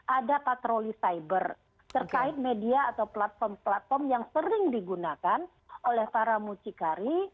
ada patroli cyber terkait media atau platform platform yang sering digunakan oleh para mucikari